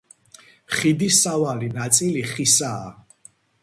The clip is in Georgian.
ხიდის სავალი ნაწილი ხისაა.